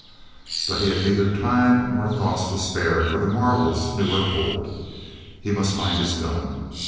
ut he had neither time nor thoughts to spare for marvels new or old—he must find his gun.